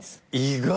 意外！